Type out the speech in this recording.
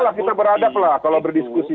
lah kita beradab lah kalau berdiskusi